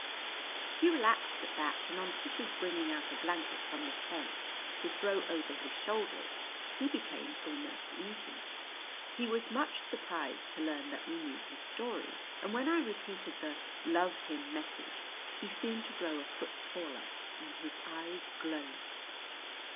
He relaxed at that, and on Tish's bringing out a blanket from the tent to throw over his shoulders he became almost easy. He was much surprised to learn that we knew his story, and when I repeated the "love him" message, he seemed to grow a foot taller and his eyes glowed.